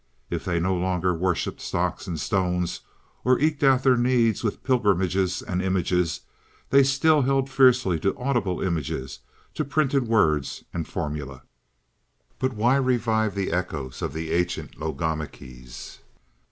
If they no longer worshipped stocks and stones, or eked out their needs with pilgrimages and images, they still held fiercely to audible images, to printed words and formulae. But why revive the echoes of the ancient logomachies?